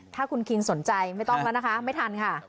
ถ้าคุณคิงสนใจไม่ต้องแล้วนะคะไม่ทันค่ะ